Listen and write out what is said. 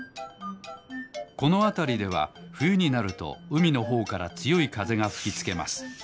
このあたりではふゆになるとうみのほうからつよいかぜがふきつけます。